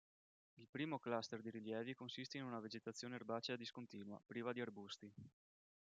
Il primo cluster di rilievi consiste in una vegetazione erbacea discontinua, priva di arbusti.